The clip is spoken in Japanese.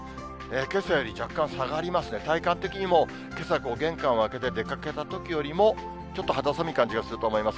けさより若干下がりますね、体感的にもけさ、玄関を開けて出かけたときよりも、ちょっと肌寒い感じがすると思います。